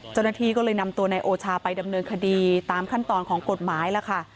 เจ้าหน้าที่ก็เลยนำตัวนายโอชาไปดำเนินคดีตามขั้นตอนของกฎหมายล่ะค่ะ